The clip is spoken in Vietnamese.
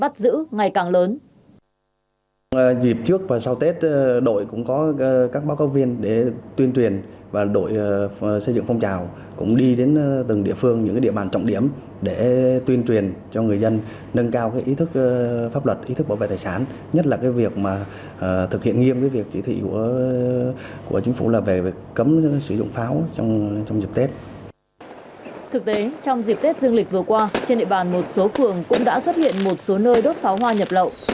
thực tế trong dịp tết dương lịch vừa qua trên địa bàn một số phường cũng đã xuất hiện một số nơi đốt pháo hoa nhập lậu